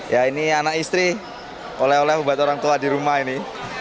ya ini anak istri oleh oleh obat orang tua di rumah ini